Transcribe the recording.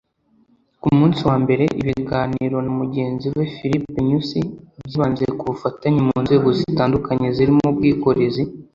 Ku munsi wa mbere ibiganiro na mugenzi we Filipe Nyusi byibanze ku bufatanye mu nzego zitandukanye zirimo ubwikorezi